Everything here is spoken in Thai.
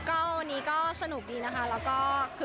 วันนี้ก็สนุกดีนะคะแล้วก็คึกคักมากขึ้น